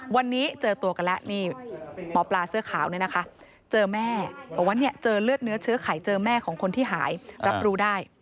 วันนี้เจอตัวกันแล้วนี่หมอปลาเสื้อขาวเนี่ยนะคะเจอแม่บอกว่าเนี่ยเจอเลือดเนื้อเชื้อไขเจอแม่ของคนที่หายรับรู้ได้